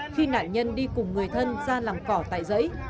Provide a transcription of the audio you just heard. khi nạn nhân đi cùng người thân ra làm cỏ tại dãy